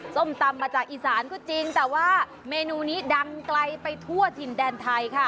ส้มตำมาจากอีสานก็จริงแต่ว่าเมนูนี้ดังไกลไปทั่วถิ่นแดนไทยค่ะ